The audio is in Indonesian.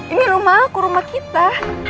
ini rumah aku rumah kita